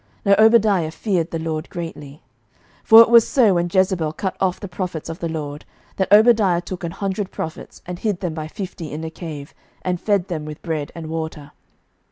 (Now Obadiah feared the LORD greatly: 11:018:004 For it was so, when Jezebel cut off the prophets of the LORD, that Obadiah took an hundred prophets, and hid them by fifty in a cave, and fed them with bread and water.)